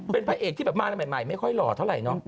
เป็นภายเอกที่มาใหม่ไม่ค่อยรอเท่าไรเนอะ